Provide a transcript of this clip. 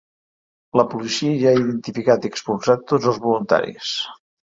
La policia ja ha identificat i expulsat tots els voluntaris.